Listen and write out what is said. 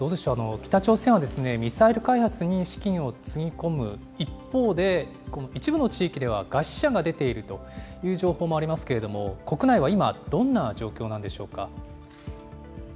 北朝鮮はミサイル開発に資金をつぎ込む一方で、一部の地域では餓死者が出ているという情報もありますけれども、国内は今、どんな状況なんでしょうか。